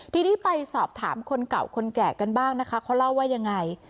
ทีนี้ไปสอบถามคนเก่าคนแก่กันบ้างนะคะเขาเล่าว่ายังไง